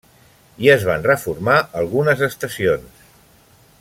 I es van reformar algunes estacions.